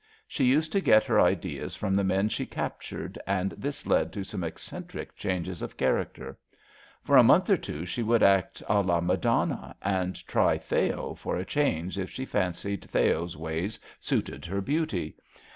She used to get her ideas from the men she captured, and this led to some eccentric changes of character. For a month or two she would act d la Madonna, and try Theo for a change if she fancied Theo^s ways suited her beauty.